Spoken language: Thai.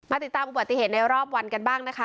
ติดตามอุบัติเหตุในรอบวันกันบ้างนะคะ